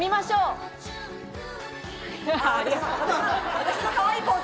私のかわいいポーズ！！